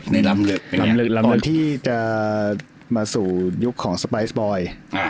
ในลำเลือกตอนที่จะมาสู่ยุคของสไปซ์บอย